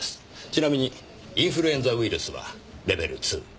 ちなみにインフルエンザウイルスはレベル２。